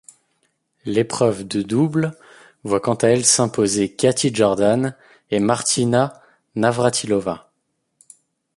L'épreuve de double voit quant à elle s'imposer Kathy Jordan et Martina Navrátilová.